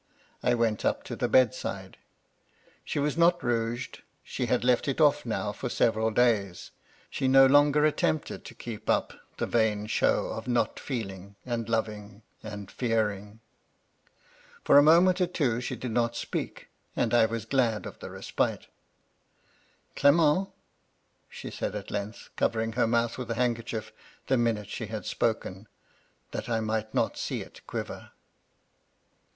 I went up to the bedside. She was not rouged. MY LADY LUDLOW. 129 — she had left it oflF now for several days, — she no onger attempted to keep up the vain show of not feel ing, and loving, and fearing. For a moment or two she did not speak, and I was glad of the respite. "* Clement ?' she said at length, covering her mouth with a handkerchief the minute she had spoken, that I might not see it quiver.